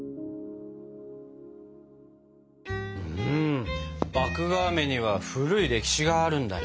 うん麦芽あめには古い歴史があるんだね。